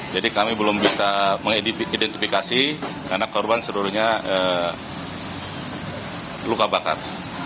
jadi kami belum bisa mengidentifikasi karena korban seluruhnya luka bakar